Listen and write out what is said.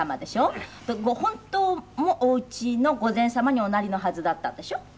本当もおうちの御前様におなりのはずだったんでしょ？